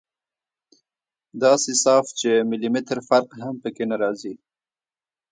داسې صاف چې ملي مټر فرق هم پکښې نه رځي.